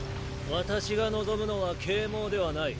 私が望むのは啓蒙ではない。